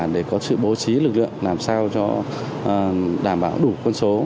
để có sự bố trí lực lượng làm sao cho đảm bảo đủ quân số